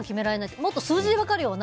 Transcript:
もっと数字で分かるような。